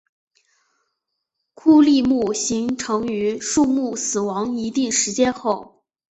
枯立木形成于树木死亡一定时间后。